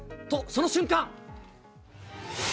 と、その瞬間。